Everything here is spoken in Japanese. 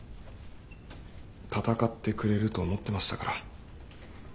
戦ってくれると思ってましたから。